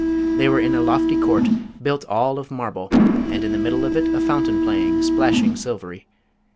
they were in a lofty court, built all of marble, and in the middle of it a fountain playing, splashing silvery.